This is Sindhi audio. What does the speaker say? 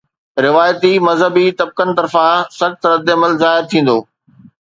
روايتي مذهبي طبقن طرفان سخت ردعمل ظاهر ٿيندو.